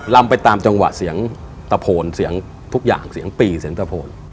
ลำไปตามจังหวะเสียงตะโพนเสียงทุกอย่างเสียงปีเสียงตะโพน